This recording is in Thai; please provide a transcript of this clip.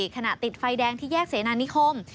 ขณะติดไฟแดงที่แยกเสนานิคม